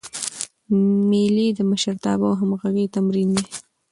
مېلې د مشرتابه او همږغۍ تمرین دئ.